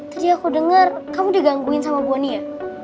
tadi aku denger kamu digangguin sama boni ya